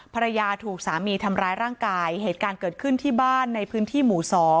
ภรรยาถูกสามีทำร้ายร่างกายเหตุการณ์เกิดขึ้นที่บ้านในพื้นที่หมู่๒